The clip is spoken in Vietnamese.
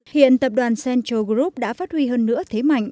hiện tập đoàn central group đã phát huy hơn nữa thế mạnh